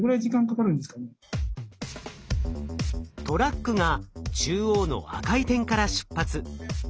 トラックが中央の赤い点から出発。